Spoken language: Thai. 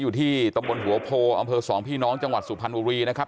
อยู่ที่ตำบลหัวโพอำเภอสองพี่น้องจังหวัดสุพรรณบุรีนะครับ